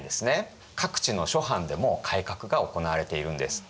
各地の諸藩でも改革が行われているんです。